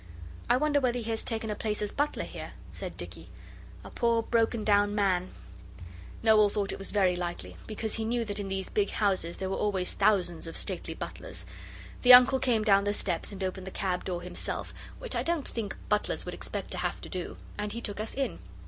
'I wonder whether he has taken a place as butler here?' said Dicky. 'A poor, broken down man ' Noel thought it was very likely, because he knew that in these big houses there were always thousands of stately butlers. The Uncle came down the steps and opened the cab door himself, which I don't think butlers would expect to have to do. And he took us in.